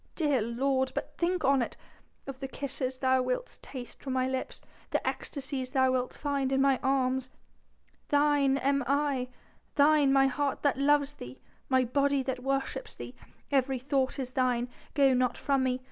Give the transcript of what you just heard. Dear lord, but think on it of the kisses thou wilt taste from my lips the ecstasies thou wilt find in my arms!... Thine am I thine my heart that loves thee my body that worships thee my every thought is thine.... Go not from me